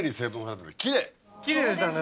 きれいでしたね